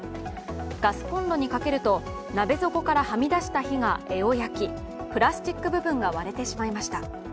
ガスコンロにかけると鍋底から、はみ出した火が柄を焼きプラスチック部分が割れてしまいました。